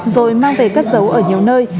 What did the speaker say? rồi mang về cất giấu ở nhiều nơi